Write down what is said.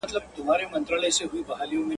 چي تر ننه یم راغلی له سبا سره پیوند یم..